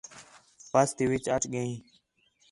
بس تی وِچ اَچ ڳئین